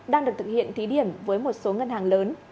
đang được thực hiện thí điểm với một số ngân hàng lớn